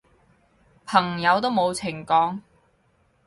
朋友都冇情講